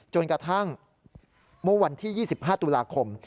กระทั่งเมื่อวันที่๒๕ตุลาคม